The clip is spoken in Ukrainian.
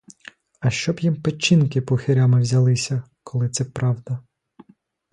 А щоб їм печінки пухирями взялися, коли це правда!